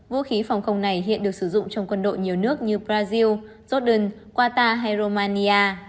vũ khí phòng không này hiện được sử dụng trong quân đội nhiều nước như brazil jordan qatar hay romania